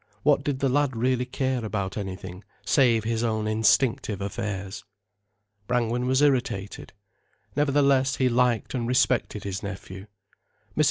What did the lad really care about anything, save his own instinctive affairs? Brangwen was irritated. Nevertheless he liked and respected his nephew. Mrs.